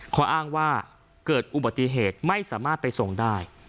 เขาอ้างว่าเกิดอุบัติเหตุไม่สามารถไปส่งได้